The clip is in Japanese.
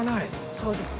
そうです。